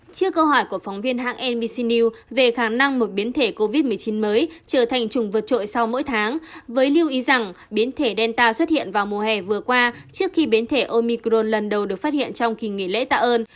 trước câu hỏi của phóng viên hãng nbc news về khả năng một biến thể covid một mươi chín mới trở thành trùng vượt trội sau mỗi tháng với lưu ý rằng biến thể delta xuất hiện vào mùa hè vừa qua trước khi biến thể omicron lần đầu được phát hiện trong kỳ nghỉ lễ tạ ơn